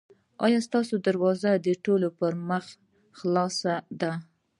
ایا ستاسو دروازه د ټولو پر مخ خلاصه ده؟